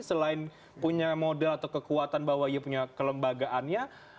selain punya model atau kekuatan bahwa ia punya kelembagaannya